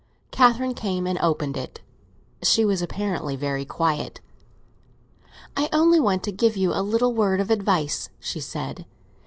Catherine came and opened it; she was apparently very quiet. "I only want to give you a little word of advice," she said.